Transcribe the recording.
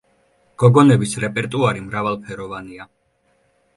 გოგონების რეპერტუარი მრავალფეროვანია.